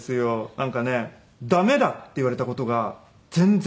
なんかね駄目だって言われた事が全然なくて。